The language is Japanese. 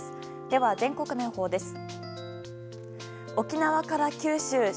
では、全国の予報です。